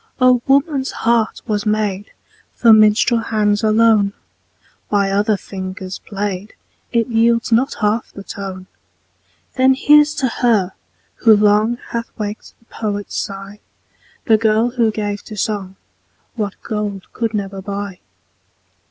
Oh! woman's heart was made For minstrel hands alone; By other fingers played, It yields not half the tone. Then here's to her, who long Hath waked the poet's sigh, The girl who gave to song What gold could never buy.